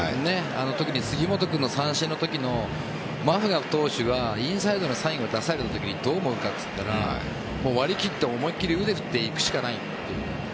特に、杉本君の三振のときにマクガフ投手がインサイドのサインを出された時どう思うかといったら割り切って思い切り腕を振っていくしかないという。